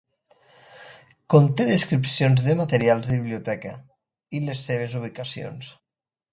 Conté descripcions de materials de biblioteca i les seves ubicacions.